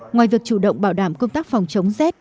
ngoài việc chủ động bảo đảm công tác phòng chống rét